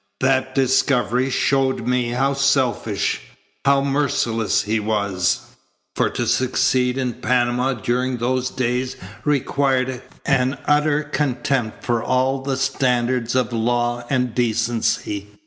That discovery showed me how selfish, how merciless he was, for to succeed in Panama during those days required an utter contempt for all the standards of law and decency.